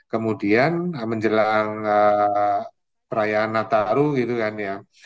kemudian menjelang perayaan nataru gitu kan ya